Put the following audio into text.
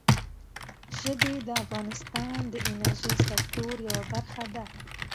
ژبې د افغانستان د انرژۍ سکتور یوه برخه ده.